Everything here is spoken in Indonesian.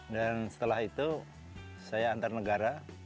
dan setelah itu saya antar negara